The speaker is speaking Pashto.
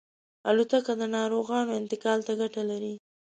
الوتکه د ناروغانو انتقال ته ګټه لري.